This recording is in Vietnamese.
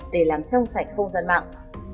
để làm trong sạch không dân mạng